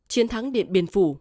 chiến thắng điện biên phủ